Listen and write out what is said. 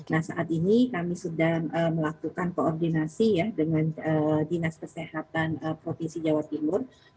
nah saat ini kami sedang melakukan koordinasi ya dengan dinas kesehatan provinsi jawa timur